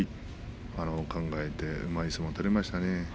考えてうまい相撲を取りましたね。